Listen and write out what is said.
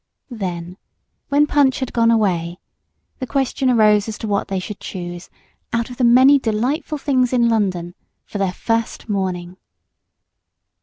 Then, when Punch had gone away, the question arose as to what they should choose, out of the many delightful things in London, for their first morning.